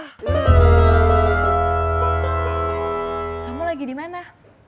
kamu lagi di mana